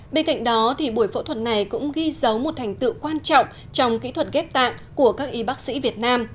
bên cạnh đó buổi phẫu thuật này cũng ghi dấu một thành tựu quan trọng trong kỹ thuật ghép tạng của các y bác sĩ việt nam